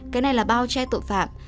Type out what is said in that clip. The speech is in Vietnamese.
cái này là bao che tội phạm